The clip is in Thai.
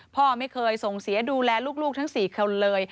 พ่อไม่เคยส่งเสียดูแลลูกทั้ง๔คนเลย